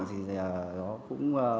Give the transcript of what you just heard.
thì nó cũng